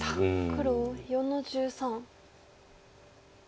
黒４の十三。